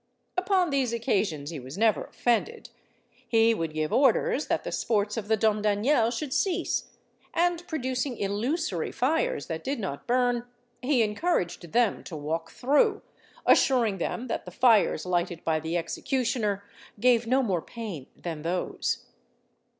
_" Upon these occasions he was never offended: he would give orders that the sports of the Domdaniel should cease, and producing illusory fires that did not burn, he encouraged them to walk through, assuring them that the fires lighted by the executioner gave no more pain than those.